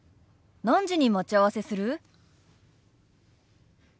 何時に待ち合わせする？